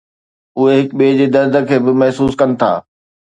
اهي هڪ ٻئي جي درد کي به محسوس ڪن ٿا